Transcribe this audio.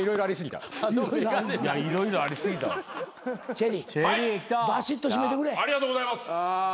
ありがとうございます。